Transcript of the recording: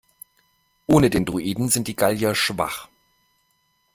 Ohne den Druiden sind die Gallier schwach.